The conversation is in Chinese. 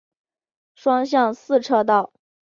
双向四车道。